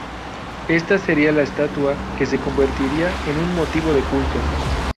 Esta sería la estatua que se convertiría en un motivo de culto.